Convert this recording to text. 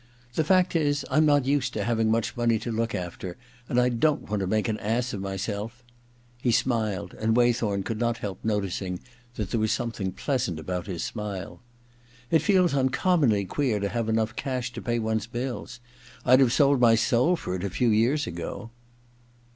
* The fact is I'm not used to having much money to look after, and I don't want to make an ass of myself ' He smiled, and 56 THE OTHER TWO iii Waythorn could not hdp noticing that there was something pleasant about his smile. 'It feels uncommonly queer to have enough cash to pay one's bills. Fd have sold my soul for it a few years ago